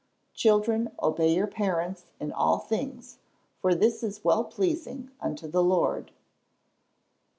[Verse: "Children obey your parents in all things: for this is well pleasing unto the Lord."